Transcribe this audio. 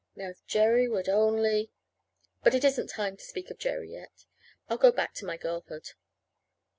Now, if Jerry would only But it isn't time to speak of Jerry yet. I'll go back to my girlhood.